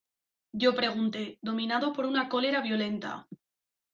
yo pregunté, dominado por una cólera violenta: